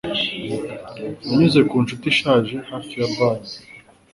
Nanyuze ku nshuti ishaje hafi ya banki.